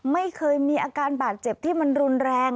ไม่เคยมีอาการบาดเจ็บที่มันรุนแรง